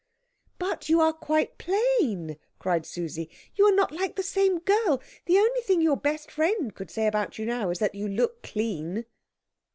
"But you are quite plain," cried Susie. "You are not like the same girl. The only thing your best friend could say about you now is that you look clean."